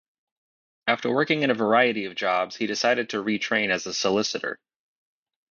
After working in a variety of jobs, he decided to retrain as a solicitor.